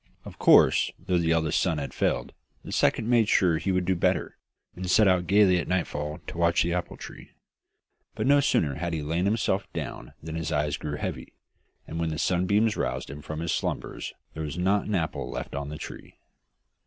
Of course, though the eldest son had failed, the second made sure that he would do better, and set out gaily at nightfall to watch the apple tree. But no sooner had he lain himself down than his eyes grew heavy, and when the sunbeams roused him from his slumbers there was not an apple left on the tree.